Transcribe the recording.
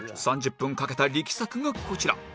３０分かけた力作がこちら